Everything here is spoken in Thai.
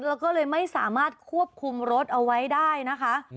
แล้วก็เลยไม่สามารถควบคุมรถเอาไว้ได้นะคะ